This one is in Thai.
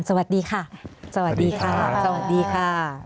สวัสดีค่ะ